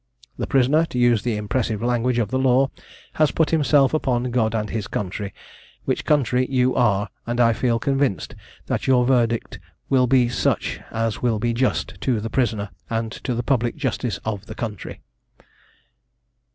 The prisoner, to use the impressive language of the law, has put himself upon God and his country which country you are; and I feel convinced that your verdict will be such as will be just to the prisoner, and to the public justice of the country.